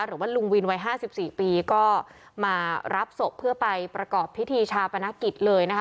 หรือว่าลุงวินวัย๕๔ปีก็มารับศพเพื่อไปประกอบพิธีชาปนกิจเลยนะคะ